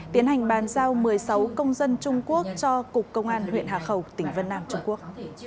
tiến hành bàn giao một mươi sáu công dân trung quốc cho cục công an huyện hà khẩu tỉnh vân nam trung quốc